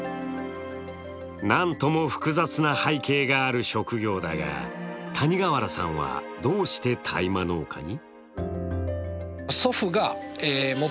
なんとも複雑な背景がある職業だが、谷川原さんはどうして大麻農家に？